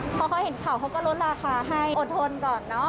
พอเขาเห็นข่าวเขาก็ลดราคาให้อดทนก่อนเนอะ